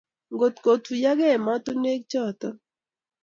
Ngot kotuyakee ematinwek chaton